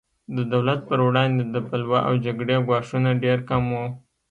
د دولت پر وړاندې د بلوا او جګړې ګواښونه ډېر کم وو.